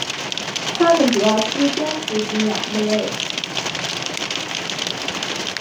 它们主要吃蝙蝠及鸟类。